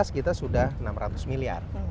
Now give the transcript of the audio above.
dua ribu tujuh belas kita sudah enam ratus miliar